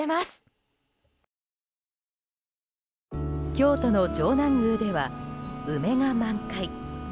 京都の城南宮では梅が満開。